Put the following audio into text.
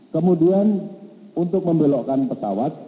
kemudian untuk membelokkan pesawat